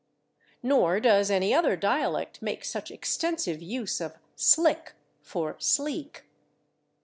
Nor does any other dialect make such extensive use of /slick/ for /sleek